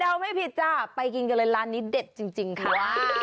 ไม่ผิดจ้ะไปกินกันเลยร้านนี้เด็ดจริงค่ะ